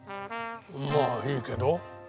まあいいけど。